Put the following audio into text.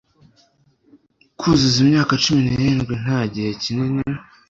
kuzuza imyaka cumi n'irindwi, nta gihe kinini